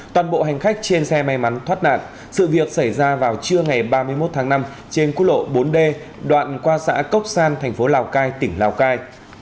toàn bộ hành khách trên xe may mắn thoát nạn sự việc xảy ra vào trưa ngày ba mươi một tháng năm trên quốc lộ bốn d đoạn qua xã cốc san thành phố lào cai tỉnh lào cai